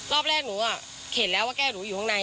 รอบแรกหนูเห็นแล้วว่าแก้วหนูอยู่ข้างใน